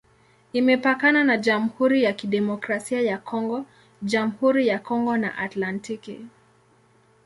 Imepakana na Jamhuri ya Kidemokrasia ya Kongo, Jamhuri ya Kongo na Atlantiki.